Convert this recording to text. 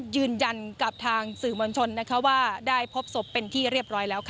ยืนยันกับทางสื่อมวลชนว่าได้พบศพเป็นที่เรียบร้อยแล้ว